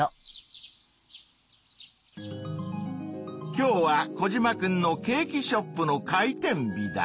今日はコジマくんのケーキショップの開店日だ。